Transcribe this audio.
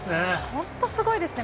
本当、すごいですね。